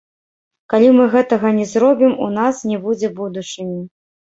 Калі мы гэтага не зробім, у нас не будзе будучыні.